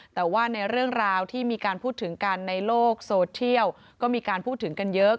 แต่ว่าในเรื่องราวที่มีการพูดถึงกันในโลกโซเทียลก็มีการพูดถึงกันเยอะ